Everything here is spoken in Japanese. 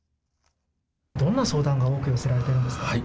どんな相談が多く寄せられているんですか？